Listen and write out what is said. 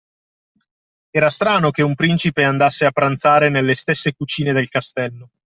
Era strano che un principe andasse a pranzare nelle stesse cucine del castello